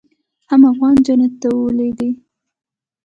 حم افغان جنت ته ولېږه.